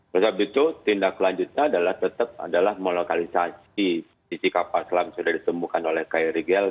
setelah itu tindak lanjutnya adalah tetap adalah melokalisasi posisi kapal selam sudah ditemukan oleh kri regel